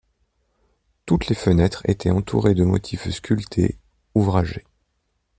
Toutes les fenêtres étaient entourées de motifs sculptés ouvragés.